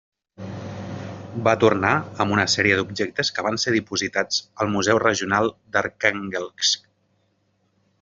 Va tornar amb una sèrie d'objectes que van ser dipositats al Museu Regional d'Arkhànguelsk.